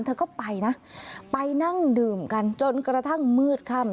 เธอก็ไปนะไปนั่งดื่มกันจนกระทั่งมืดค่ำ